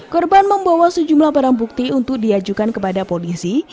korban membawa sejumlah barang bukti untuk diajukan kepada polisi